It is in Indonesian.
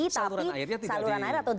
tapi saluran air atau tidak